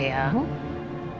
kayaknya duitantan orang ho chi minh